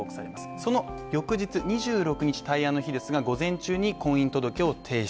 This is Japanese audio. その翌日２６日大安の日ですが午前中に婚姻届を提出。